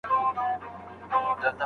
آیا د ورور ملاتړ تر بل ملاتړ پیاوړی دی؟